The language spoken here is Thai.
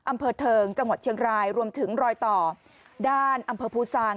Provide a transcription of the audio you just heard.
อำเภอเทิงจังหวัดเชียงรายรวมถึงรอยต่อด้านอำเภอภูซาง